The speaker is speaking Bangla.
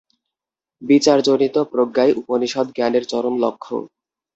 বিচারজনিত প্রজ্ঞাই উপনিষদ্-জ্ঞানের চরম লক্ষ্য।